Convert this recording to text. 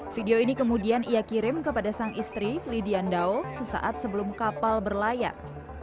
video ini kemudian ia kirim kepada sang istri lidian dao sesaat sebelum kapal berlayar